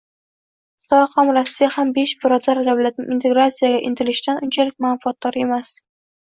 Xitoy ham, Rossiya ham besh birodar davlatning integratsiyaga intilishidan unchalik manfaatdor emas.